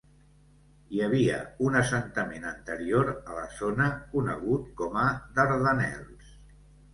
Hi havia un assentament anterior a la zona conegut com a "Dardanels".